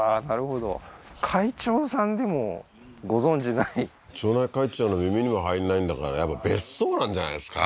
はい町内会長の耳にも入んないんだから別荘なんじゃないですか？